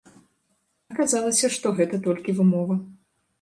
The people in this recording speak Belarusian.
Аказалася, што гэта толькі вымова.